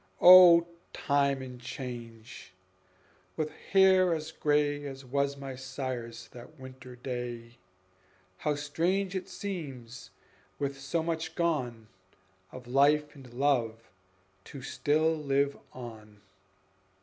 O Time and Change! with hair as gray As was my sire's that winter day, How strange it seems, with so much gone Of life and love, to still live on!